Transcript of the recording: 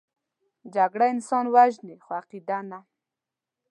جګړه انسان وژني، خو عقیده نه